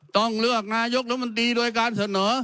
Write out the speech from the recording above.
ต้องเลือกนายกรัฐมนตรีโดยการเสนอ